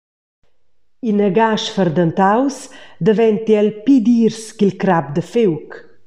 Inaga sferdentaus daventi el pli dirs ch’il crap da fiug.